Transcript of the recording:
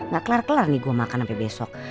gak kelar kelar nih gue makan sampai besok